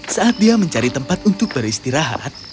saat dia mencari tempat untuk beristirahat